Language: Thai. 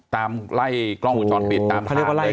ตามไล่กล้องวงจรปิดตามทางเลย